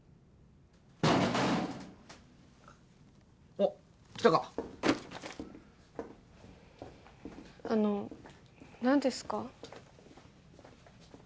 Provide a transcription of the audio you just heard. おっ来たかあの何ですか？